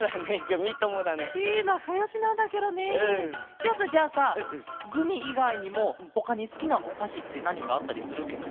じゃあさじゃあさグミいがいにもほかにすきなおかしってなにかあったりするケロ？